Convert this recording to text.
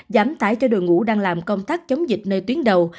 giảm tải cho đội ngũ đang làm công tác chống dịch nơi tuyến đầu